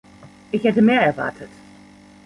Ich hätte mehr erwartet!